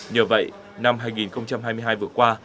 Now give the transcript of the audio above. nhờ vậy năm hai nghìn hai mươi hai vừa qua